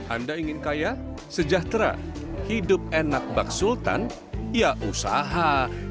anda ingin kaya sejahtera hidup enak bak sultan ya usaha